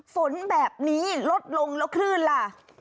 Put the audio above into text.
ฝนแบบนี้ลดลงแล้วคลื่นล่ะ